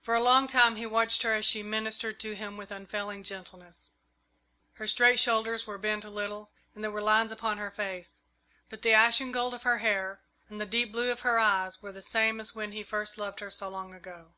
For a long time he watched her as she ministered to him with unfailing gentleness. Her straight shoulders were bent a little and there were lines upon her face; but the ashen gold of her hair and the deep blue of her eyes were the same as when he first loved her so long ago.